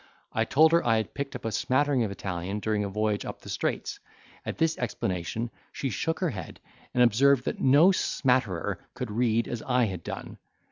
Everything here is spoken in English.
I told her I had picked up a smattering of Italian, during a voyage up the Straits. At this explanation she shook her head, and observed that no smatterer could read as I had done.